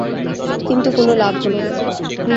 কিন্তু কোনো লাভ হল না।